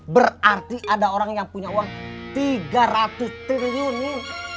berarti ada orang yang punya uang tiga ratus triliun nih